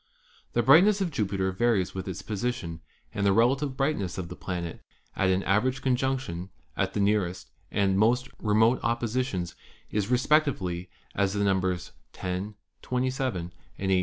The brightness of Jupiter varies with its position, and the relative brightness of the planet at an average conjunction at the nearest and most remote oppositions is respectively as the numbers 10, 27, and 18.